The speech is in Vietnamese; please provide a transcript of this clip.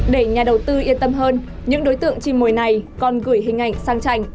để nhà đầu tư yên tâm hơn những đối tượng chim mồi này còn gửi hình ảnh sang trành